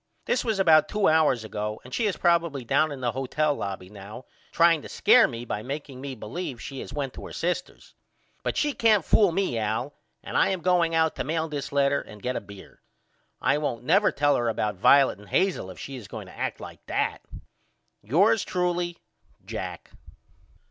This was about two hours ago and she is probily down in the hotel lobby now trying to scare me by makeing me believe she has went to her sister's. But she can't fool me Al and I am now going out to mail this letter and get a beer. I won't never tell her about Violet and Hazel if she is going to act like that. Yours truly, JACK.